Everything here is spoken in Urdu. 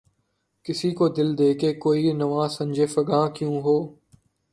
کسی کو دے کے دل‘ کوئی نوا سنجِ فغاں کیوں ہو؟